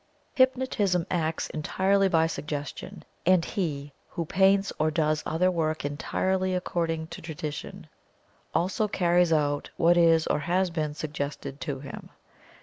Hypnotism acts entirely by suggestion, and he who paints or does other work entirely according to Tradition, also carries out what is or has been suggested to him.